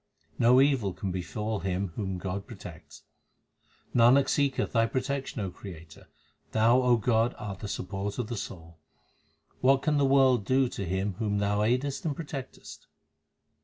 No evil can befall him whom God protects : Nanak seeketh Thy protection, O Creator ; Thou, O God, art the support of the soul. What can the world do to him whom Thou aidest and protectest